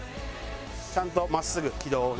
ちゃんと真っすぐ軌道をね。